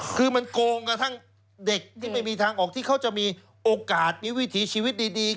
คือมันโกงกระทั่งเด็กที่ไม่มีทางออกที่เขาจะมีโอกาสมีวิถีชีวิตดี